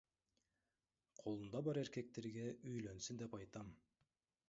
Колунда бар эркектерге үйлөнсүн деп айтам.